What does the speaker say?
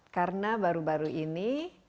karena baru baru ini